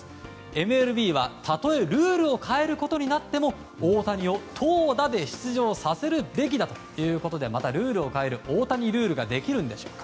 ＭＬＢは、たとえルールを変えることになっても大谷を投打で出場させるべきだということでまたルールを変える大谷ルールができるんでしょうか。